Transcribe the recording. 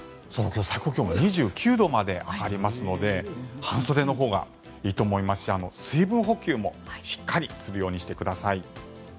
最高気温２９度まで上がりますので半袖のほうがいいと思いますし水分補給もしっかりするようにしてください。